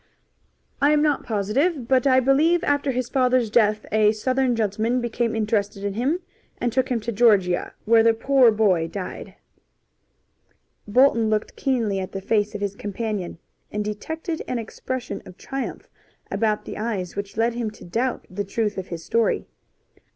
"I am not positive, but I believe after his father's death a Southern gentleman became interested in him and took him to Georgia, where the poor boy died." Bolton looked keenly at the face of his companion, and detected an expression of triumph about the eyes which led him to doubt the truth of his story.